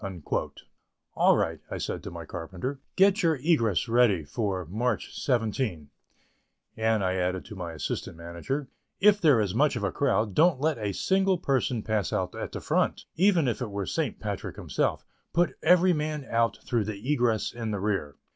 "All right," said I to my carpenter, "get your egress ready for March 17"; and I added, to my assistant manager: "If there is much of a crowd, don't let a single person pass out at the front, even if it were St. Patrick himself; put every man out through the egress in the rear."